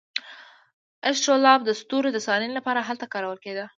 اسټرولاب د ستورو د څارنې لپاره هلته کارول کیده.